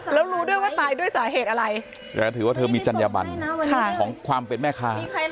แล้วรู้ด้วยว่าตายด้วยสาเหตุอะไรถือว่าเธอมีจัญญบันของความเป็นแม่ค้า